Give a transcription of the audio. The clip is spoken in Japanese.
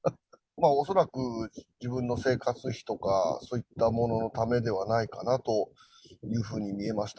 恐らく自分の生活費とか、そういったもののためではないかなというふうに見えました。